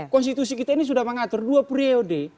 konstitusi kita ini sudah mengatur dua periode